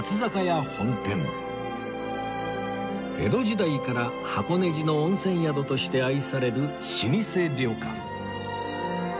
江戸時代から箱根路の温泉宿として愛される老舗旅館